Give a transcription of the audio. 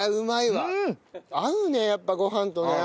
合うねやっぱご飯とね。